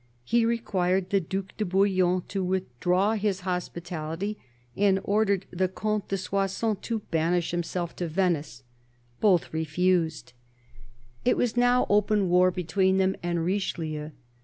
He required the Due de Bouillon to withdraw his hospitality, and ordered the Comte de Soissons to banish himself to 278 CARDINAL DE RICHELIEU Venice. Both refused. It was now open war between them and Richelieu.